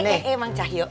eh eh eh eh mangcah yuk